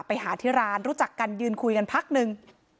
ไปหาที่ร้านรู้จักกันยืนคุยกันพักหนึ่ง